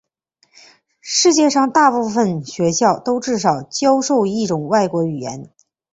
世界上大部分学校都至少教授一种外国语言。